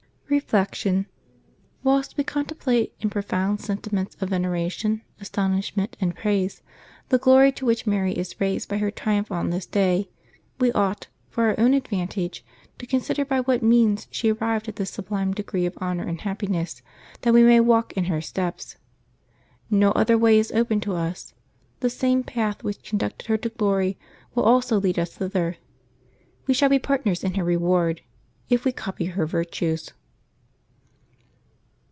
Reflection. — Whilst we contemplate, in profound senti ments of veneration, astonishment, and praise, the glory to which Mary is raised by her triumph on this day, we ought, for our own advantage, to consider by what means she arrived at this sublime degree of honor and happiness, that we may walk in her steps. No other way is open to us. The same path which conducted her to glory will also lead us thither; we shall be partners in her reward if we copy her virtues.